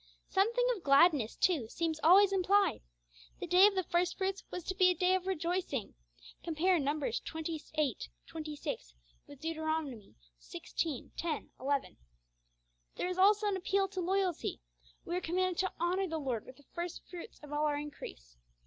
Something of gladness, too, seems always implied. 'The day of the first fruits' was to be a day of rejoicing (compare Num. xxviii. 26 with Deut. xvi. 10, 11). There is also an appeal to loyalty: we are commanded to honour the Lord with the first fruits of all our increase.